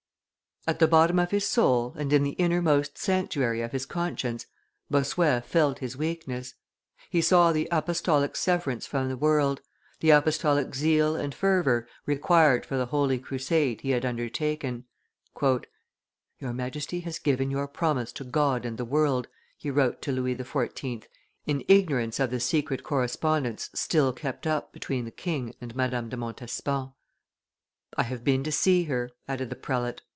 At the bottom of his soul, and in the innermost sanctuary of his conscience, Bossuet felt his weakness; he saw the apostolic severance from the world, the apostolic zeal and fervor required for the holy crusade he had undertaken. "Your Majesty has given your promise to God and the world," he wrote to Louis XIV. in, ignorance of the secret correspondence still kept up between the king and Madame de Montespan. "I have been to see her," added the prelate.